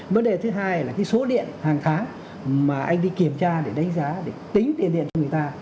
vấn đề thứ hai là số điện hàng tháng mà anh đi kiểm tra để đánh giá để tính tiền điện cho người ta